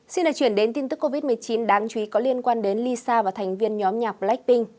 xin hãy chuyển đến tin tức covid một mươi chín đáng chú ý có liên quan đến lịch sử